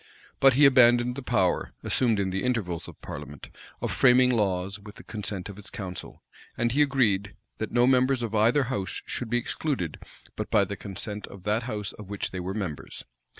But he abandoned the power, assumed in the intervals of parliament, of framing laws with the consent of his council; and he agreed, that no members of either house should be excluded but by the consent of that house of which they were members.